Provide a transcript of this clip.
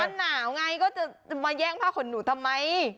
มันหนาวไงก็จะมาแย่งผ้าขนหนูทำไม